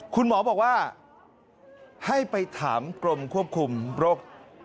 คุณหมอบอกว่าให้ไปถามกรมควบคุมโรค